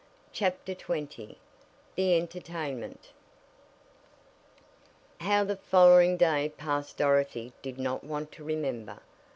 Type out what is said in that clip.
CHAPTER XX THE ENTERTAINMENT How the following day passed Dorothy did not want to remember.